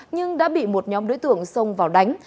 nhưng đã bị một nhóm đối tượng xông vào đánh